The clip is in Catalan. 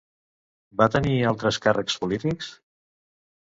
Va tenir altres càrrecs polítics?